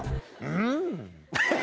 うん。